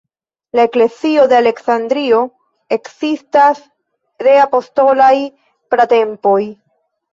La "eklezio de Aleksandrio" ekzistas de apostolaj pratempoj.